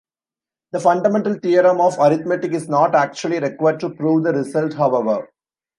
The fundamental theorem of arithmetic is not actually required to prove the result, however.